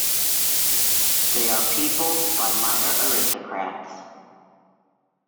They are peopled by minor aristocrats.